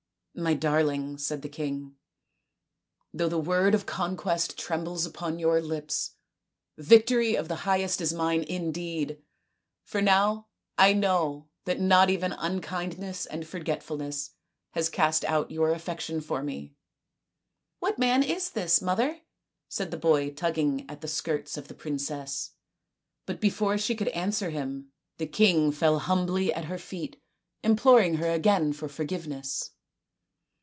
" My darling," said the king, " though the word of conquest trembles upon your lips, victory of the highest is mine indeed, for now I know that not even unkindness and forgetfulness has cast out your affection for me." " What man is this, mother ?" said the boy, tugging at the skirts of the princess ; but before she could answer him the king fell humbly at her feet imploring her again for forgiveness.